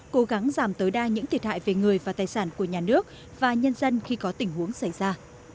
cố gắng giảm tối đa những thiệt hại về người và tài sản của nhà nước và nhân dân khi có tình huống xảy ra